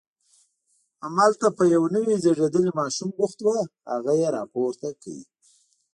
همالته په یو نوي زیږېدلي ماشوم بوخت و، هغه یې راپورته کړ.